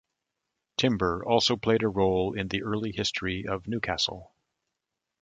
Timber also played a role in the early history of Newcastle.